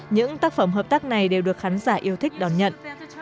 những tác phẩm hợp tác này đều được khán giả yêu thích đón nhận